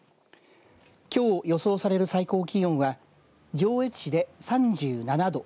きょう予想される最高気温は上越市で３７度